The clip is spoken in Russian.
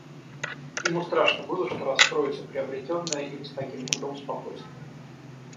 Ему страшно было, что расстроится приобретенное им с таким трудом спокойствие.